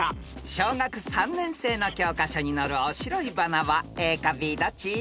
［小学３年生の教科書に載るオシロイバナはＡかＢどっち？］